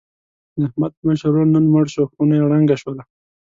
د احمد مشر ورور نن مړ شو. خونه یې ړنګه شوله.